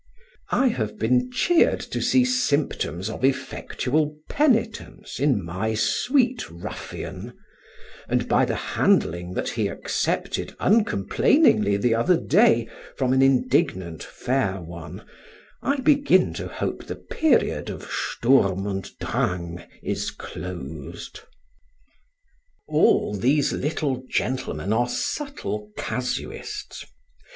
" I have been cheered to see symptoms of effectual penitence in my sweet ruffian; and by the handling that he accepted uncomplainingly the other day from an indignant fair one, I begin to hope the period of Sturm und Drang is closed. All these little gentlemen are subtle casuists.